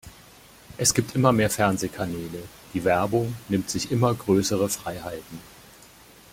Es gibt immer mehr Fernsehkanäle, die Werbung nimmt sich immer größere Freiheiten.